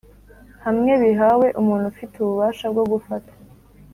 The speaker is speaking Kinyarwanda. hamwe bihawe umuntu ufite ububasha bwo gufata